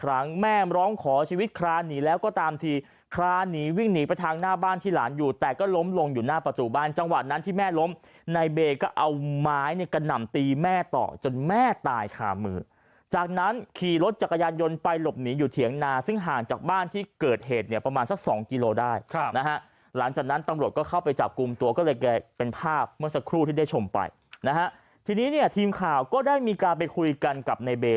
ังหวัดนั้นที่แม่ล้มในเบก็เอาไม้กระหน่ำตีแม่ต่อจนแม่ตายคามือจากนั้นขี่รถจักรยานยนต์ไปหลบหนีอยู่เถียงนาซึ่งห่างจากบ้านที่เกิดเหตุเนี่ยประมาณสักสองกิโลได้นะฮะหลังจากนั้นตำรวจก็เข้าไปจับกุมตัวก็เลยเป็นภาพเมื่อสักครู่ที่ได้ชมไปนะฮะทีนี้เนี่ยทีมข่าวก็ได้มีการไปคุยกันกับใน